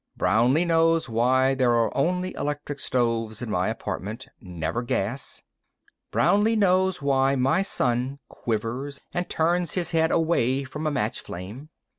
Brownlee knows why there are only electric stoves in my apartment never gas. Brownlee knows why my son quivers and turns his head away from a match flame.